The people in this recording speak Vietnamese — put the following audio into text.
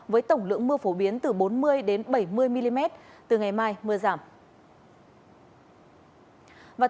với tổng lượng mưa phổ biến từ bốn mươi bảy mươi mm từ ngày mai mưa giảm